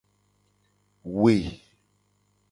We.